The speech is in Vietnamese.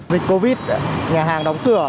dịch covid nhà hàng đóng cửa